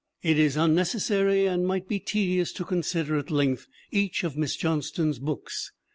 It is unnecessary and might be tedious to consider at length each of Miss Johnston's books.